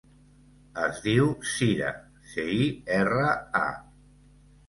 Es diu Cira: ce, i, erra, a.